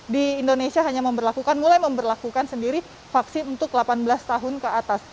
di indonesia hanya memperlakukan sendiri vaksin untuk delapan belas tahun ke atas